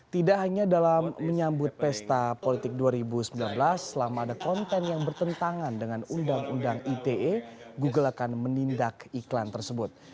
tidak hanya dalam menyambut pesta politik dua ribu sembilan belas selama ada konten yang bertentangan dengan undang undang ite google akan menindak iklan tersebut